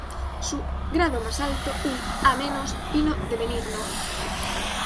Su grado más alto, un "A–", vino de Benigno.